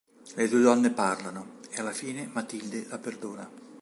Le due donne parlano e alla fine Matilde la perdona.